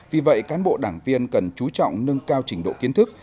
vì vậy cán bộ đảng viên cần chú trọng nâng cao trình độ kiến thức